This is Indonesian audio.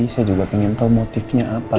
saya juga pengen tau motifnya apa